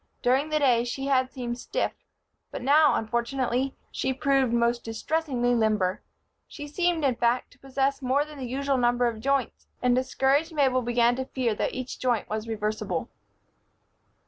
During the day she had seemed stiff; but now, unfortunately, she proved most distressingly limber. She seemed, in fact, to possess more than the usual number of joints, and discouraged Mabel began to fear that each joint was reversible.